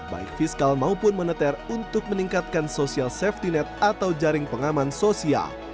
baik fiskal maupun moneter untuk meningkatkan social safety net atau jaring pengaman sosial